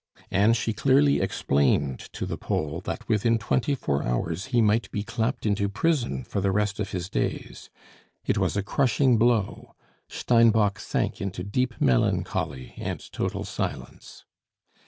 And she clearly explained to the Pole that within twenty four hours he might be clapped into prison for the rest of his days. It was a crushing blow. Steinbock sank into deep melancholy and total silence.